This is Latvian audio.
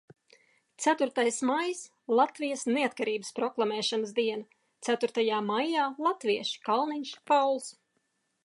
Ceturtais maijs – Latvijas neatkarības proklamēšanas diena. Ceturtajā maijā latvieši – Kalniņš, Pauls.